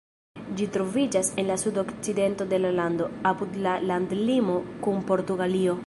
Ĝi troviĝas en la sudokcidento de la lando, apud la landlimo kun Portugalio.